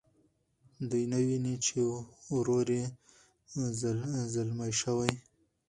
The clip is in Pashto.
دوی نه ویني چې ورور یې ځلمی شوی.